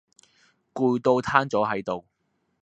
攰到攤左係度